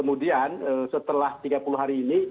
kemudian setelah tiga puluh hari ini